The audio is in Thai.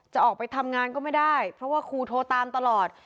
จะออกไปทำงานก็ไม่ได้เพราะว่าครูโทรตามตลอด